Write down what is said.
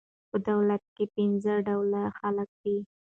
په دولت کښي پنځه ډوله خلک دي.